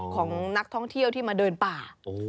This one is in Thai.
ของนักท่องเที่ยวที่มาเดินป่า